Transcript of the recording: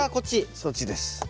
そっちです。